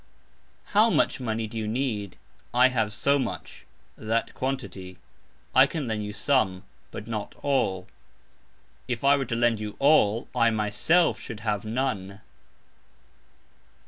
"How much" money do you need ? I have "so much (that quantity)", I can lend you "some", but not "all". If I were to lend you "all", I myself should have "none".